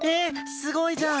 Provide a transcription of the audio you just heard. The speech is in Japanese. すごいじゃん！